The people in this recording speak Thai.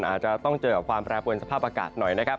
อาจจะต้องเจอกับความแปรปวนสภาพอากาศหน่อยนะครับ